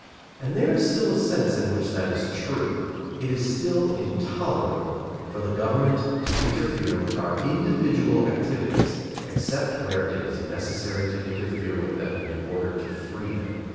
And there is still a sense in which that is true. It is still intolerable for the government to interfere with our individual activities except where it is necessary to interfere with them in order to free them.